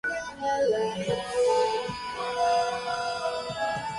可愛らしさと優雅な見た目は特徴的です．